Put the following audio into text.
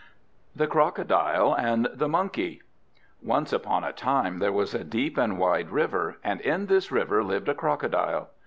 THE CROCODILE AND THE MONKEY Once upon a time there was a deep and wide river, and in this river lived a crocodile.